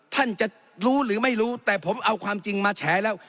ท่านจะรู้หรือไม่รู้แต่ผมเอาความจริงมาแฉแล้ว